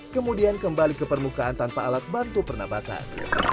kemudian kembali ke permukaan tanpa alat bantu pernapasan